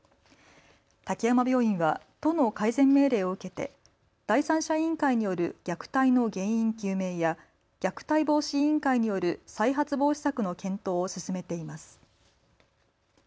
滝山病院は都の改善命令を受けて第三者委員会による虐待の原因究明や虐待防止委員会による再発防止策の検討を進めています。